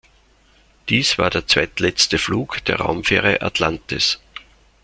Dies war der zweitletzte Flug der Raumfähre Atlantis.